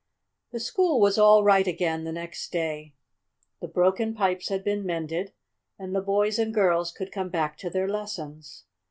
The school was all right again the next day. The broken pipes had been mended, and the boys and girls could come back to their lessons.